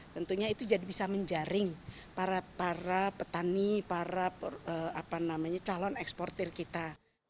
tentunya itu jadi bisa menjaring para petani para calon eksportir kita